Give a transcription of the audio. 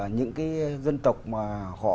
những cái dân tộc mà họ